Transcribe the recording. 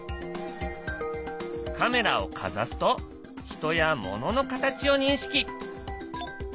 カメラをかざすと人や物の形を認識。